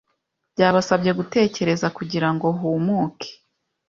byabasabye gutegereza kugirango humuke